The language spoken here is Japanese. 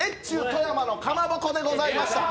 富山のかまぼこでございました。